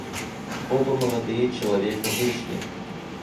Оба молодые человека вышли.